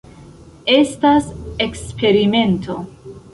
Estas eksperimento.